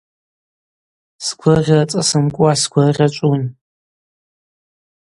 Сгвыргъьара цӏасымкӏуа сгвыргъьачӏвун.